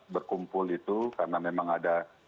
berkumpul itu karena memang ada